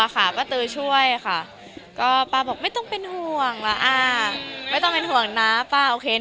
ก็ไม่ต้องเป็นห่วงว่าอ่าไม่ต้องเป็นห่วงนะหรือปลาวีค่ะ